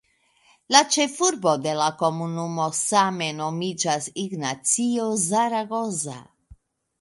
La ĉefurbo de la komunumo same nomiĝas "Ignacio Zaragoza".